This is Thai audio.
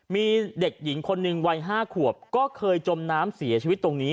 มีเด็กหญิงคนหนึ่งวัย๕ขวบก็เคยจมน้ำเสียชีวิตตรงนี้